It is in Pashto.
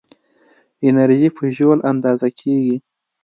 انرژي په جول اندازه کېږي.